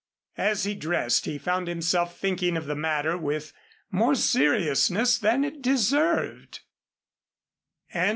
As he dressed he found himself thinking of the matter with more seriousness than it deserved.